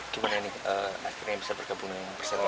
gimana akhirnya bisa bergabung dengan persisolo